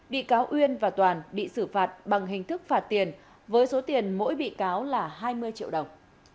bị cáo uyên và toàn bị xử phạt bằng hình thức phạt tiền với số tiền mỗi bị cáo là hai mươi triệu đồng